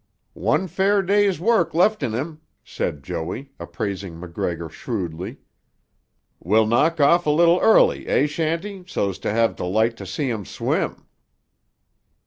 "One fair day's work left in him," said Joey, appraising MacGregor shrewdly. "Will knock off a little early, eh, Shanty, so's to have tuh light to see him swim."